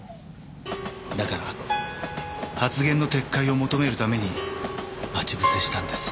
「だから発言の撤回を求める為に待ち伏せしたんです」